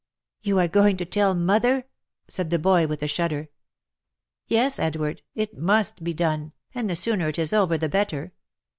" You are going to tell mother V said the boy with a shudder. " Yes, Edward !— it must be done, and the sooner it is over the better.